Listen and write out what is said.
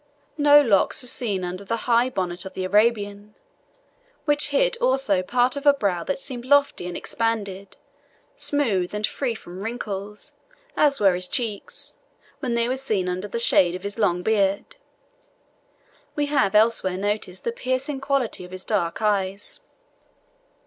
No locks were seen under the high bonnet of the Arabian, which hid also part of a brow that seemed lofty and expanded, smooth, and free from wrinkles, as were his cheeks, where they were seen under the shade of his long beard. We have elsewhere noticed the piercing quality of his dark eyes.